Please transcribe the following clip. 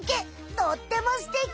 とってもすてき！